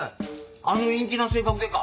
あの陰気な性格でか。